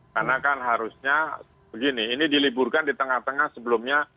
karena kan harusnya begini ini diliburkan di tengah tengah sebelumnya